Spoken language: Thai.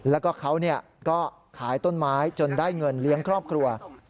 แล้วก็เขาก็ขายต้นไม้จนได้เงินเลี้ยงครอบครัว